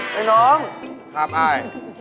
เฮ้ยไอ้น้องครับไอ้